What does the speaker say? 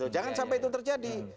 jangan sampai itu terjadi